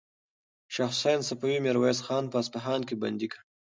شاه حسین صفوي میرویس خان په اصفهان کې بندي کړ.